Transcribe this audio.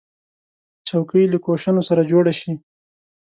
چوکۍ له کوشنو سره جوړه شي.